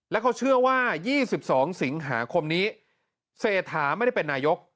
แล้วเขาเชื่อว่า๒๒สิงหาคมนี้เศรษฐาไม่ได้เป็นนายก